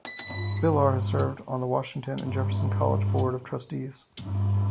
Vilar has served on the Washington and Jefferson College Board of Trustees.